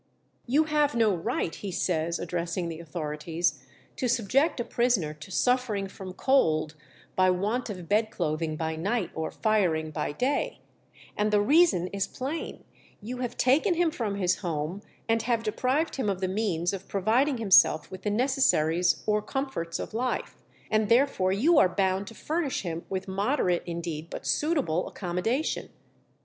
"You have no right," he says, addressing the authorities, "to subject a prisoner to suffering from cold, by want of bed clothing by night or firing by day; and the reason is plain: you have taken him from his home, and have deprived him of the means of providing himself with the necessaries or comforts of life, and therefore you are bound to furnish him with moderate indeed but suitable accommodation."